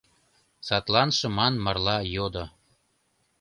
Садлан шыман марла йодо: